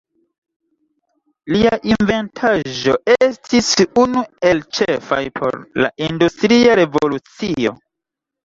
Lia inventaĵo estis unu el ĉefaj por la Industria Revolucio.